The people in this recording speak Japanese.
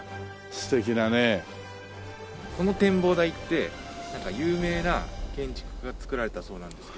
この展望台ってなんか有名な建築家が造られたそうなんですけど。